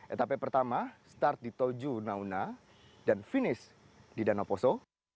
etape pertama start di tojo una una dan finish di danau poso